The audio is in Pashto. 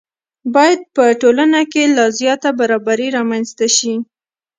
باید په ټولنه کې لا زیاته برابري رامنځته شي.